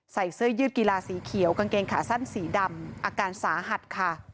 เสื้อยืดกีฬาสีเขียวกางเกงขาสั้นสีดำอาการสาหัสค่ะ